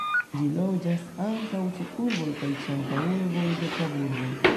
Ĝi loĝas ankaŭ ĉe urboj kaj ĉe antaŭurboj de Kaburbo.